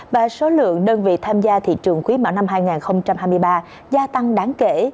và số lượng đơn vị tham gia thị trường quý mạo năm hai nghìn hai mươi ba gia tăng đáng kể